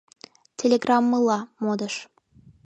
«Телеграммыла» модыш.